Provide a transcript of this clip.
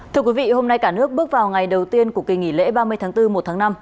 thưa quý vị hôm nay cả nước bước vào ngày đầu tiên của kỳ nghỉ lễ ba mươi tháng bốn một tháng năm